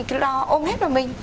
mình cứ lo ôm hết vào mình